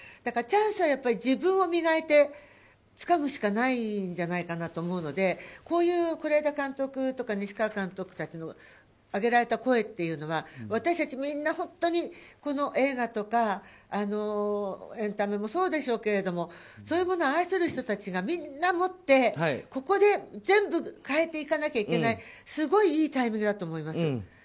チャンスは自分を磨いてつかむしかないんじゃないかなと思うのでこういう是枝監督や西川監督の上げられた声というのは私たちみんな本当に映画とかエンタメもそうでしょうけどそういうものを愛する人たちがみんな持ってここで全部変えていかなきゃいけないすごい良いタイミングだと思います。